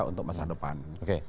untuk masa depan oke